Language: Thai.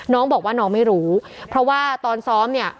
น้องบอกว่าน้องไม่รู้เพราะว่าตอนซ้อมเนี่ย